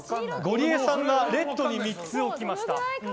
ゴリエさんがレッドに３つ置きました。